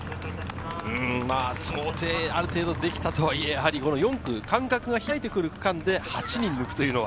想定はある程度できたとはいえ、４区、間隔が開いてくる４区で８人抜くとは。